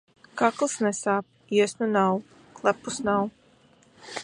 Kakls nesāp, iesnu nav, klepus nav.